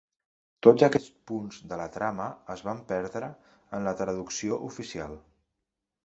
Tots aquests punts de la trama es van perdre en la traducció oficial.